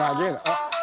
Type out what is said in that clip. あっ！